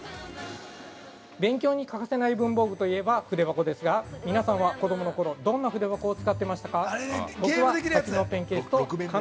◆勉強に欠かせない文房具といえば筆箱ですが皆さんは子供のころどんな筆箱を使ってましたか？